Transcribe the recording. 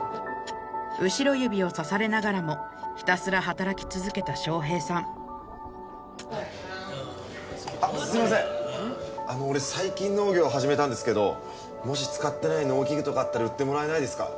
後ろ指をさされながらもひたすら働き続けた将兵さんすいません俺最近農業始めたんですけどもし使ってない農機具とかあったら売ってもらえないですか？